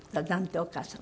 お母様。